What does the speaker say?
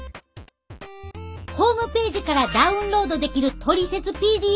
ホームページからダウンロードできるトリセツＰＤＦもアップデート！